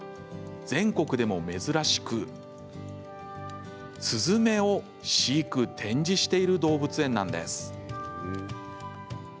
全国でも珍しくスズメを飼育、展示している動物園なんです。